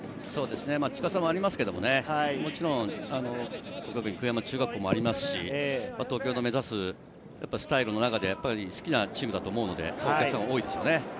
近さもありますが、中学校もありますし、東京の目指すスタイルの中で好きなチームだと思うので、お客さん多いですね。